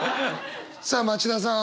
さあ町田さん